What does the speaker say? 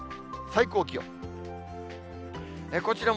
最高気温。